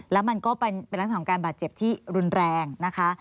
แล้วมันก็เป็นลักษณะของการบาดเจ็บที่รุนแรงนะคะ